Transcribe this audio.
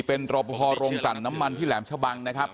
เป็นระบบภรรณน้ำมันที่แหลมชะบัง